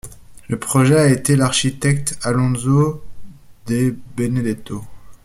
Le projet a été l'architecte Alonzo De Benedetto.